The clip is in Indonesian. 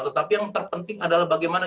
tetapi yang terpenting adalah bagaimana